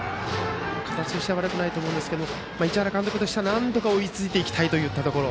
形としては悪くないと思いますが市原監督としてはなんとか追いつきたいところ。